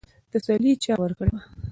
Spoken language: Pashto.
تسلي چا ورکړې وه؟